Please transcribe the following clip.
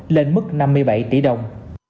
lên mức năm mươi bảy tỷ đồng